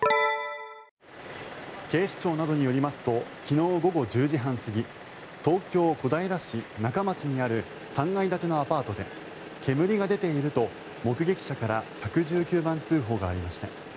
警視庁などによりますと昨日午後１０時半過ぎ東京・小平市仲町にある３階建てのアパートで煙が出ていると目撃者から１１９番通報がありました。